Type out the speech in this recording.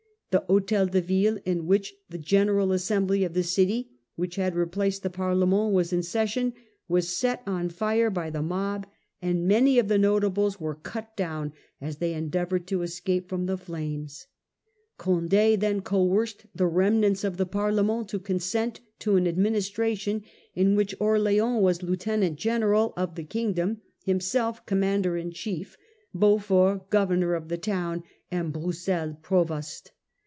The Hotel de Ville, in which the general assembly of the city, which had replaced the Parlement \ was in session, was set on fire by the mob, and many of the notables were cut down as they endeavoured to escape Provisional fr° m A ames Condd then coerced the government, remnants of the Parlement to consent to an administration, in which Orleans was Lieutenant General of the kingdom, himself Commander in chief, Beaufort Governor of the town, and Broussel Provost.